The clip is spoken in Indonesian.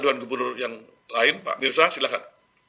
dewan gubernur yang lain pak mirza silakan